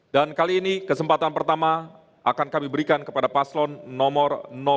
dan kali ini kesempatan pertama akan kami berikan kepada paslon nomor dua